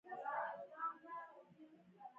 خو وروسته بزګرۍ غوره بڼه خپله کړه.